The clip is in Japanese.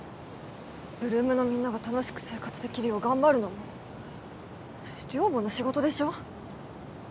８ＬＯＯＭのみんなが楽しく生活できるよう頑張るのも寮母の仕事でしょ